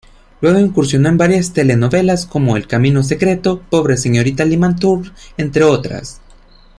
Luego incursionó en varias telenovelas como "El camino secreto", "Pobre señorita Limantour", entre otras.